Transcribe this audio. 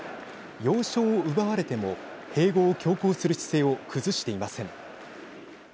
要衝を奪われても併合を強行する姿勢を崩していません。